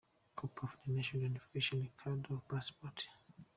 Copy of National Identification Card or Passport ;.